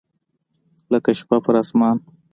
لکه شپه پر اسمان